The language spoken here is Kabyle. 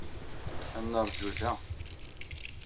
Ad neṛju da.